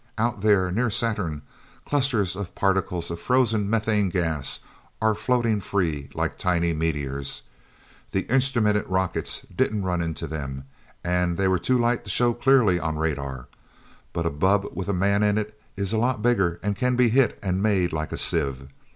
Out there, near Saturn, clusters of particles of frozen methane gas are floating free like tiny meteors. The instrumented rockets didn't run into them, and they were too light to show clearly on radar. But a bubb with a man in it is lots bigger, and can be hit and made like a sieve.